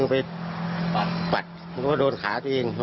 พ่อบอกว่าพ่อบอกว่า